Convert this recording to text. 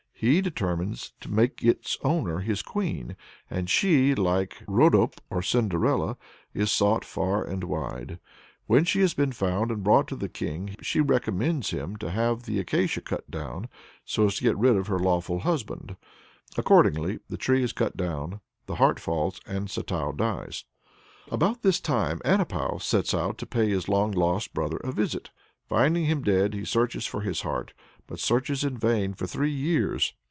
He determines to make its owner his queen, and she, like Rhodope or Cinderella, is sought for far and wide. When she has been found and brought to the king, she recommends him to have the acacia cut down, so as to get rid of her lawful husband. Accordingly the tree is cut down, the heart falls, and Satou dies. About this time Anepou sets out to pay his long lost brother a visit. Finding him dead, he searches for his heart, but searches in vain for three years.